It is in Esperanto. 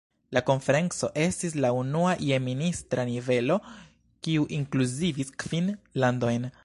La konferenco estis la unua je ministra nivelo, kiu inkluzivis kvin landojn.